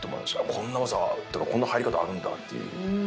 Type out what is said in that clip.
こんな技っていうかこんな入り方あるんだっていう。